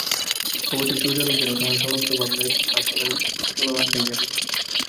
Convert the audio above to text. প্রভাতের সূর্যালোক যেন তাহার সমস্ত ভাবনায় বাসনায় সোনা মাখাইয়া দিল।